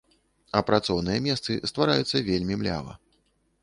А працоўныя месцы ствараюцца вельмі млява.